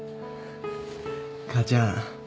母ちゃん。